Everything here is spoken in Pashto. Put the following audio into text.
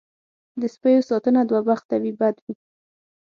دې سپیو ساتنه دوه بخته وي بد وي.